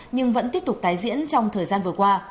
nhưng vẫn tiếp tục tái diễn trong thời gian vừa qua